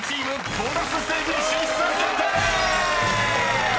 ボーナスステージ進出決定でーす！］